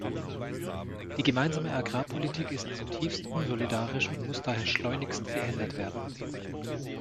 Die gemeinsame Agrarpolitik ist zutiefst unsolidarisch und muss daher schleunigst geändert werden.